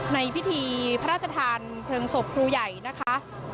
ในพิธีพระราชทานเพลิงศพครูใหญ่นะคะ